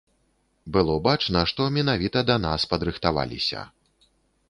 Было бачна, што менавіта да нас падрыхтаваліся.